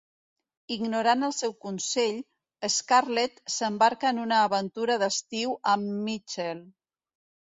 Ignorant el seu consell, Scarlett s'embarca en una aventura d'estiu amb Michael.